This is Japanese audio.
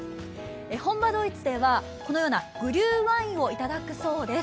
本場・ドイツではこのようなグリューワインを頂くそうです。